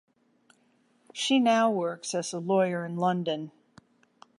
She now works as a lawyer in London.